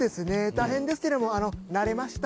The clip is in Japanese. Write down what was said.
大変ですけども慣れました。